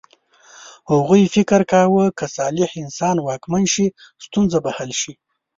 هغوی فکر کاوه که صالح انسان واکمن شي ستونزه به حل شي.